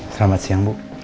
selamat siang bu